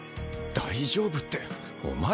大丈夫ってお前！